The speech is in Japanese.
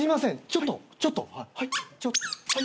ちょっとちょっと。